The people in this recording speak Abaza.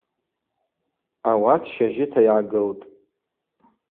Ауат щажьыта йгӏагылтӏ.